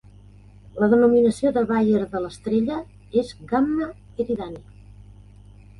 La denominació de Bayer de l'estrella és Gamma Eridani.